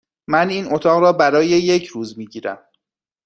من این اتاق را برای یک روز می گیرم.